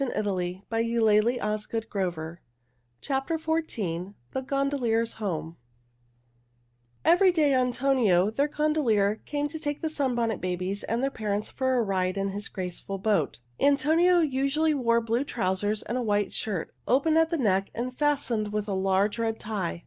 [Illustration: The Gondolier's Home] THE GONDOLIER'S HOME Every day Antonio, their gondolier, came to take the Sunbonnet Babies and their parents for a ride in his graceful boat. Antonio usually wore blue trousers and a white shirt, open at the neck and fastened with a large red tie.